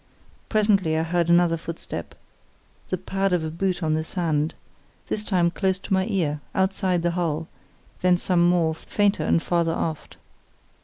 Presently I heard another footstep—the pad of a boot on the sand—this time close to my ear, just outside the hull; then some more, fainter and farther aft.